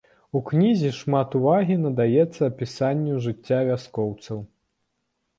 У кнізе шмат увагі надаецца апісанню жыцця вяскоўцаў.